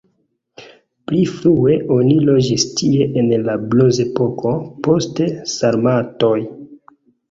Pli frue oni loĝis tie en la bronzepoko, poste sarmatoj.